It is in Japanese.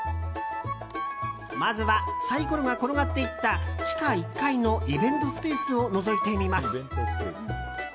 まずはサイコロが転がっていった地下１階のイベントスペースをのぞいてみます。